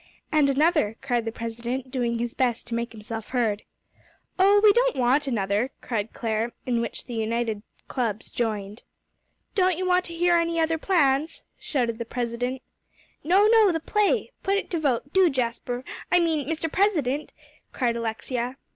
"And another," cried the president, doing his best to make himself heard. "Oh, we don't want another," cried Clare, in which the united clubs joined. "Don't you want to hear any other plans?" shouted the president. "No, no the play! Put it to vote, do, Jasper I mean, Mr. President," cried Alexia.